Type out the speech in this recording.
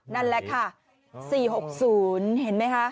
นั่นแหละค่ะ๔๖๐เห็นไหมคะ